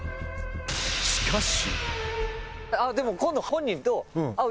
しかし。